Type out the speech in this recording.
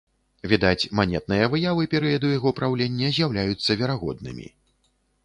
Відаць, манетныя выявы перыяду яго праўлення з'яўляюцца верагоднымі.